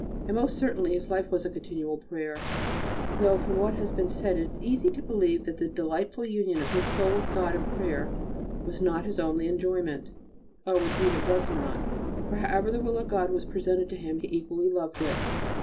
And most certainly his life was a continual prayer. Though, from what has been said, it is easy to believe that the delightful union of his soul with God in prayer was not his only enjoyment. Oh! indeed it was not, for however the will of God was presented to him he equally loved it.